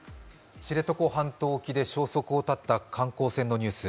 知床半島沖で消息を絶った観光船のニュース。